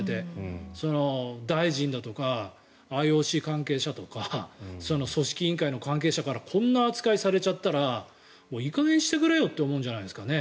大臣だとか、ＩＯＣ関係者とか組織委員会の関係者からこんな扱いされちゃったらいい加減にしてくれよって思うんじゃないですかね。